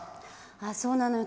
ああそうなのよ